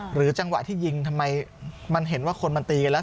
จังหวะที่ยิงทำไมมันเห็นว่าคนมันตีกันแล้ว